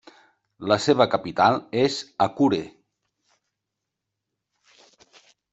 La seva capital és Akure.